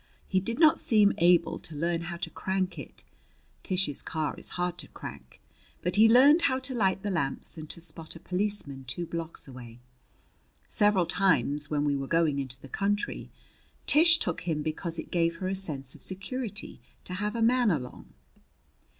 He did not seem able to learn how to crank it Tish's car is hard to crank but he learned how to light the lamps and to spot a policeman two blocks away. Several times, when we were going into the country, Tish took him because it gave her a sense of security to have a man along.